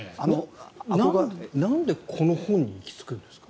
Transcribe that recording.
なんでこの本に行き着くんですか？